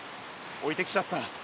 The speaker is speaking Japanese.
おいてきちゃった。